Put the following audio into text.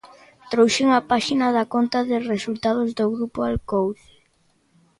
Trouxen a páxina da conta de resultados do Grupo Alcouce.